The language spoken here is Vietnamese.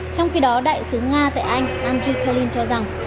trong khi đó đại sứ nga tại anh andry kalin cho rằng